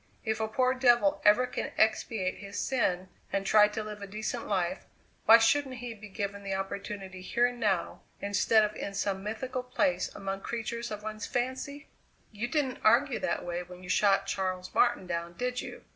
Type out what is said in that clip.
If a poor devil ever can expatiate his sin and try to live a decent life, why shouldn't he be given the opportunity here and now instead of in some mythical place among creatures of one's fancy?" "You didn't argue that way when you shot Charles Martin down, did you?